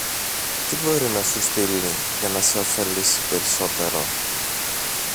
τι μπορεί να σου στείλει, για να σε ωφελήσει περισσότερο.